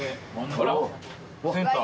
センター。